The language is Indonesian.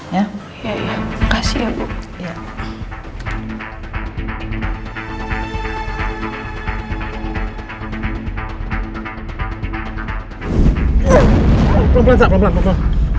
iya iya terima kasih ya bu